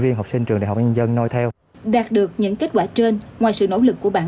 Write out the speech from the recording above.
viên học sinh trường đại học an ninh nhân nôi theo đạt được những kết quả trên ngoài sự nỗ lực của